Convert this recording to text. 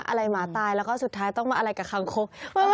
หมาตายแล้วก็สุดท้ายต้องมาอะไรกับคางคก